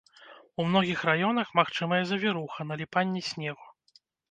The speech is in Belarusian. У многіх раёнах магчымая завіруха, наліпанне снегу.